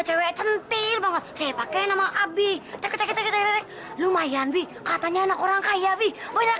cewek cantik banget saya pakai nama abi cek lumayan di katanya anak orang kaya bih banyak